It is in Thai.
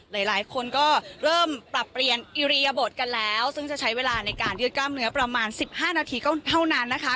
หลายคนก็เริ่มปรับเปลี่ยนอิริยบทกันแล้วซึ่งจะใช้เวลาในการยืดกล้ามเนื้อประมาณ๑๕นาทีก็เท่านั้นนะคะ